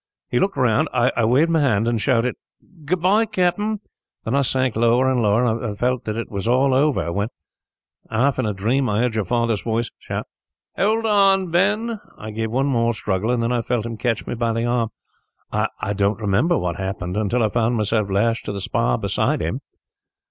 He looked round. I waved my hand and shouted, 'Goodbye, Captain!' Then I sank lower and lower, and felt that it was all over, when, half in a dream, I heard your father's voice shout, 'Hold on, Ben!' I gave one more struggle, and then I felt him catch me by the arm. I don't remember what happened, until I found myself lashed to the spar beside him.